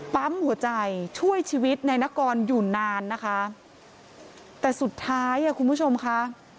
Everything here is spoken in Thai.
ปั๊มหัวใจช่วยชีวิตนายนกรอยู่นานนะคะแต่สุดท้ายอ่ะคุณผู้ชมค่ะ